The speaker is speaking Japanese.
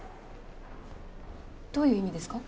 どういう意味ですか？